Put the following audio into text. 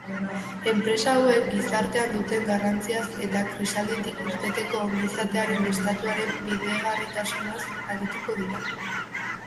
Enpresa hauek gizartean duten garrantziaz eta krisialditik irteteko ongizatearen estatuaren bidegarritasunaz arituko da.